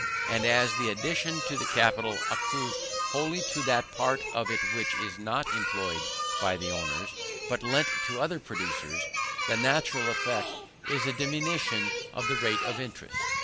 And as this addition to the capital accrues wholly to that part of it which is not employed by the owners, but lent to other producers, the natural effect is a diminution of the rate of interest.